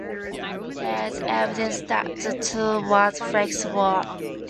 There is evidence that the tube was flexible.